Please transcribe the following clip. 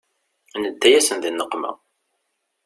Nedda-yasen di nneqma.